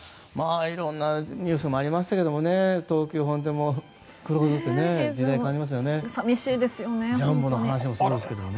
色んなニュースもありましたけど東急本店もクローズで時代を感じますね。